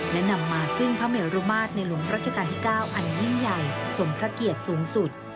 และนำมาซึ่งพระเมรุมาตรในหลวงรัชกาลที่๙อันยิ่งใหญ่สมพระเกียรติสูงสุด